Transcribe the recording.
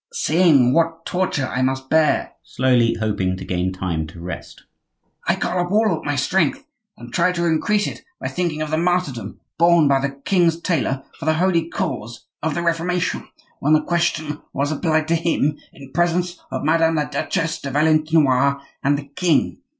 "Seeing what torture I must bear," said Christophe, slowly, hoping to gain time to rest, "I call up all my strength, and try to increase it by thinking of the martyrdom borne by the king's tailor for the holy cause of the Reformation, when the question was applied to him in presence of Madame la Duchesse de Valentinois and the king.